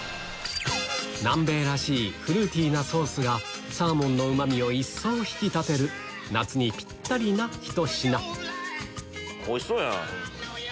南米らしいフルーティーなソースがサーモンのうまみを一層引き立てる夏にぴったりなひと品おいしそうやん！